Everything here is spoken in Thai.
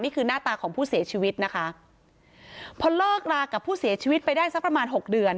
หน้าตาของผู้เสียชีวิตนะคะพอเลิกรากับผู้เสียชีวิตไปได้สักประมาณหกเดือน